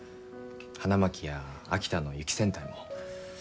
花巻や秋田の雪戦隊も。